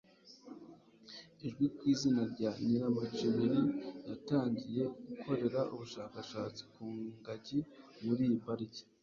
uzwi ku izina rya Nyiramacibiri yatangiye gukorera ubushakashatsi ku ngagi muri iyi pariki.